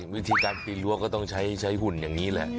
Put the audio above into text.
วิธีการปีนรั้วก็ต้องใช้หุ่นอย่างนี้แหละ